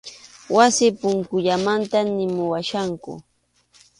Wasi punkullamanta nimuwachkanku.